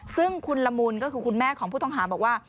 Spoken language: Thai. ซึ่งคุณละมุนก็คือคุณแม่ของผู้ต้องหาบอกว่า